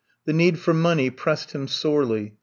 The need for money pressed him sorely.